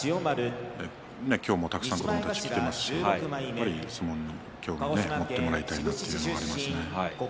今日もたくさん子どもたち来ていますし相撲に興味を持ってもらいたいなと思いますね。